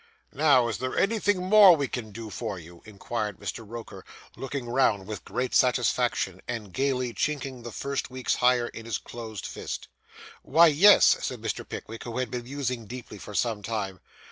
'Now, is there anything more we can do for you?' inquired Mr. Roker, looking round with great satisfaction, and gaily chinking the first week's hire in his closed fist. 'Why, yes,' said Mr. Pickwick, who had been musing deeply for some time.